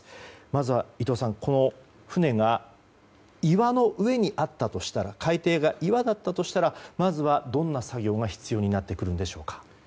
まずは伊藤さん船が岩の上にあったとしたら海底が岩だったとしたらまずはどんな作業が必要になってくるんでしょうか。